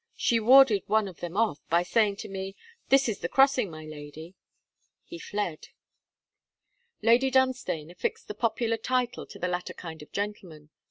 She warded one of them off, by saying to me: "This is the crossing, my lady." He fled.' Lady Dunstane affixed the popular title to the latter kind of gentleman.